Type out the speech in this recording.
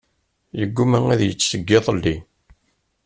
Iguma ad yečč seg iḍelli.